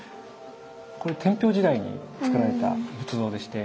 これ天平時代につくられた仏像でして